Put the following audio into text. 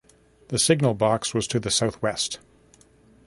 The signal box was to the south west.